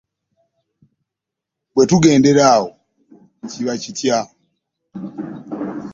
Bwe tugendera awo kiba kitya?